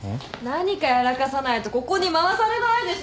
何かやらかさないとここに回されないでしょ。